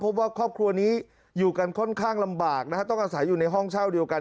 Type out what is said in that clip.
ว่าครอบครัวนี้อยู่กันค่อนข้างลำบากนะฮะต้องอาศัยอยู่ในห้องเช่าเดียวกัน